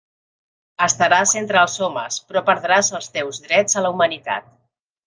Estaràs entre els homes, però perdràs els teus drets a la humanitat.